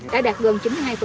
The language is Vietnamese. đã đạt gần chín mươi hai